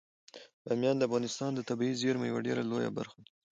بامیان د افغانستان د طبیعي زیرمو یوه ډیره لویه برخه ده.